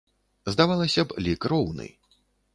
Здавалася б, лік роўны.